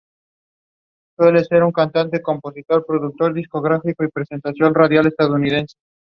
The flower has six hairy white or pinkish lobes.